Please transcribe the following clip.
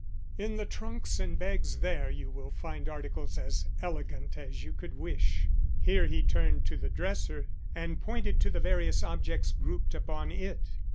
In the trunks and bags there you will find articles as elegant as you could wish." Here he turned to the dresser, and pointed to the various objects grouped upon it.